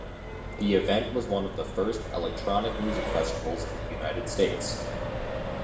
The event was one of the first electronic music festivals in the United States.